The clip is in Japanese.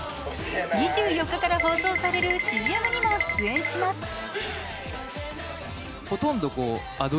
２４日から放送されるＣＭにも出演します。